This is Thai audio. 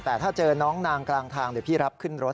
แต่ถ้าเจอน้องนางกลางทางเดี๋ยวพี่รับขึ้นรถ